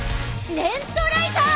レントライザー！